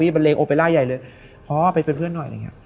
บันเลงโอปเวลัลใหญ่เลย